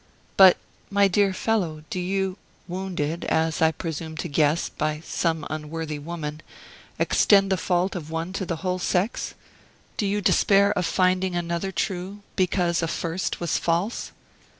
"But, my dear fellow, do you wounded, as I presume to guess, by some unworthy woman extend the fault of one to the whole sex? Do you despair of finding another true, because a first was false?"